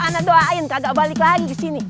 oh ana doain kagak balik lagi kesini